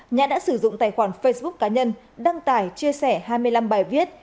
nhã đã sử dụng tài khoản facebook cá nhân đăng tải chia sẻ hai mươi năm bài viết